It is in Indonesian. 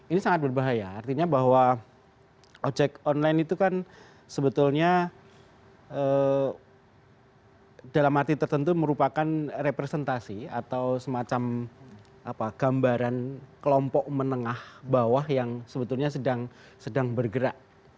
ini sangat berbahaya artinya bahwa ojek online itu kan sebetulnya dalam arti tertentu merupakan representasi atau semacam gambaran kelompok menengah bawah yang sebetulnya sedang bergerak